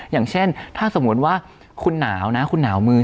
อย่างเช่นถ้าสมมุติว่าคุณหนาวนะคุณหนาวมือ